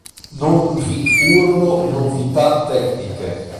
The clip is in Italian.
Non vi furono novità tecniche.